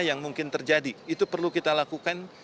yang mungkin terjadi itu perlu kita lakukan